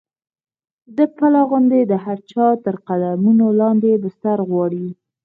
د پله غوندې د هر چا تر قدمونو لاندې بستر غواړي.